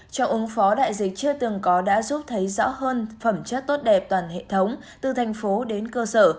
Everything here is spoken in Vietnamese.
cho ứng phó đại dịch chưa từng có đã giúp thấy rõ hơn phẩm chất tốt đẹp toàn hệ thống từ thành phố đến cơ sở